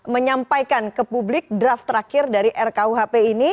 menyampaikan ke publik draft terakhir dari rkuhp ini